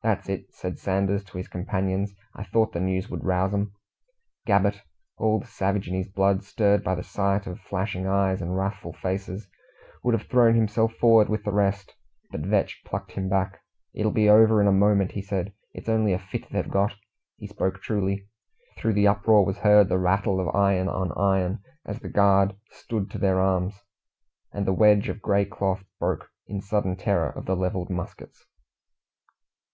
"That's it!" said Sanders to his companions. "I thought the news would rouse 'em." Gabbett all the savage in his blood stirred by the sight of flashing eyes and wrathful faces would have thrown himself forward with the rest, but Vetch plucked him back. "It'll be over in a moment," he said. "It's only a fit they've got." He spoke truly. Through the uproar was heard the rattle of iron on iron, as the guard "stood to their arms," and the wedge of grey cloth broke, in sudden terror of the levelled muskets.